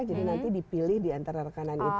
jadi nanti dipilih diantara rekanan itu